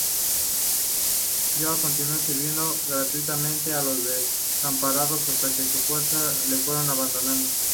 Y continuó sirviendo gratuitamente a los desamparados hasta que sus fuerzas le fueron abandonando.